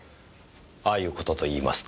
ああいう事といいますと？